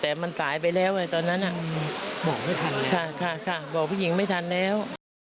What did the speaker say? ก็อยากให้ได้ค่ะอยากให้จับมาได้เลย